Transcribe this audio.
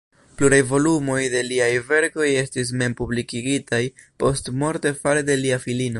Pluraj volumoj de liaj verkoj estis mem-publikigitaj postmorte fare de lia filino.